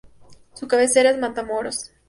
Su cabecera es Matamoros.